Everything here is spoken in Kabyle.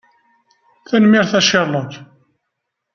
Tanemmirt a Sherlock!